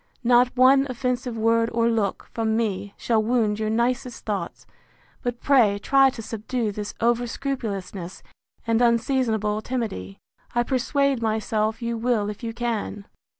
—Not one offensive word or look, from me, shall wound your nicest thoughts; but pray try to subdue this over scrupulousness, and unseasonable timidity. I persuade myself you will if you can.